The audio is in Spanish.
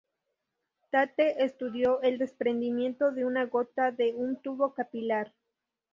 Tate estudió el desprendimiento de una gota de un tubo capilar.